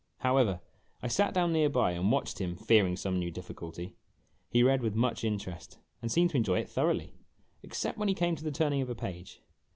However, I sat down near by and watched him, fearing some new difficulty. He read with much interest, and seemed to enjoy it thoroughly, except when he came to the turn ing of a page.